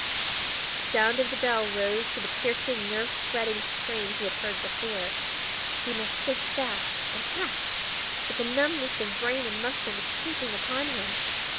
The sound of the bell rose to the piercing, nerve shredding scream he had heard before. He must think fast and act! but the numbness of brain and muscle was creeping upon him.